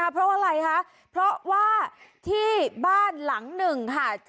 เพราะอะไรคะเพราะว่าที่บ้านหลังหนึ่งค่ะ